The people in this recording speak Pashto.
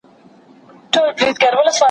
خدای پاک د ټولو مخلوقاتو پالونکی دی.